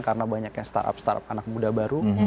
karena banyaknya startup startup anak muda baru